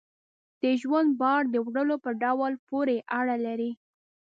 د ژوند بار د وړلو په ډول پورې اړه لري.